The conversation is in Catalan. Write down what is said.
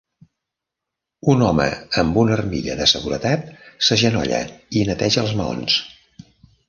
Un home amb una armilla de seguretat s'agenolla i neteja els maons.